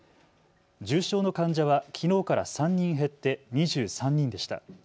重症の患者はきのうから３人減って２３人でした。